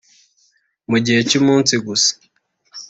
Mu gihe cy’umunsi gusa